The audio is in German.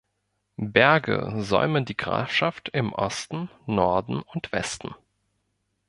Berge säumen die Grafschaft im Osten, Norden und Westen.